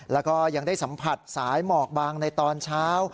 แล้วก็ยังได้สัมผัสสายหมอกบางในตอนเช้า